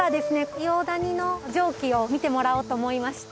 硫黄谷の蒸気を見てもらおうと思いまして。